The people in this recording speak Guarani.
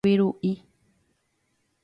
hayviru'i